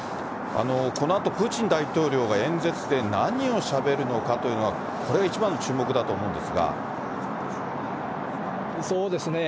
このあと、プーチン大統領が演説で何をしゃべるのかというのは、これが一番そうですね。